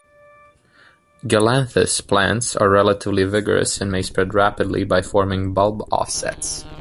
"Galanthus" plants are relatively vigorous and may spread rapidly by forming bulb offsets.